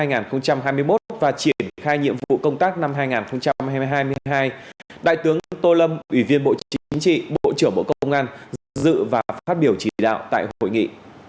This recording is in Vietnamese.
năm hai nghìn hai mươi một và triển khai nhiệm vụ công tác năm hai nghìn hai mươi hai đại tướng tô lâm ủy viên bộ chính trị bộ trưởng bộ công an dự và phát biểu chỉ đạo tại hội nghị